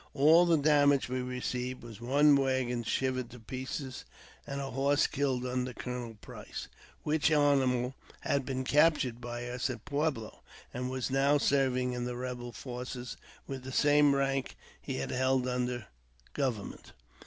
All the damage we received was one waggon shivered to pieces, and a horse killed under Colonel Price, which animal had been captured by us at Pueblo, and was now serving in the rebel forces with the same rank as he had held under government.